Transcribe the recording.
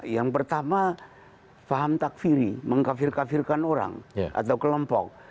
yang pertama paham takfiri mengkafir kafirkan orang atau kelompok